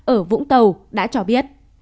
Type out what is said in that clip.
ở vũng tàu đã cho biết